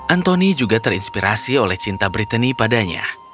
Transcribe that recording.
antoni juga terinspirasi oleh cinta brittany padanya